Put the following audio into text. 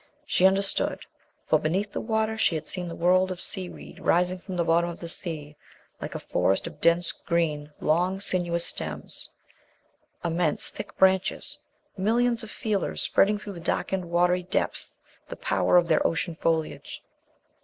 She understood. For, beneath the water, she had seen the world of seaweed rising from the bottom of the sea like a forest of dense green long, sinuous stems, immense thick branches, millions of feelers spreading through the darkened watery depths the power of their ocean foliage.